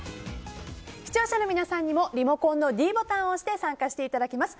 視聴者の皆さんにもリモコンのｄボタンを押して参加していただきます。